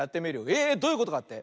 えどういうことかって？